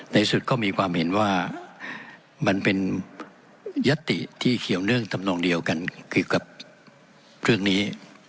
สุดก็มีความเห็นว่ามันเป็นยัตติที่เกี่ยวเนื่องทำนองเดียวกันเกี่ยวกับเรื่องนี้